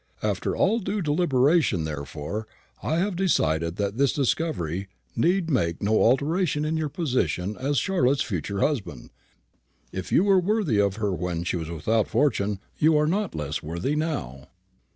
After all due deliberation, therefore, I have decided that this discovery need make no alteration in your position as Charlotte's future husband. If you were worthy of her when she was without a fortune, you are not less worthy now."